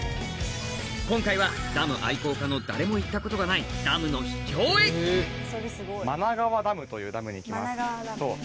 今回はダム愛好家の誰も行ったことがないダムの秘境へというダムに行きます。